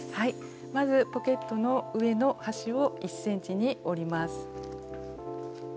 まずポケットの上の端を１ｃｍに折ります。